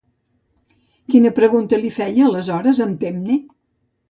Quina pregunta li feia, aleshores, en Temme?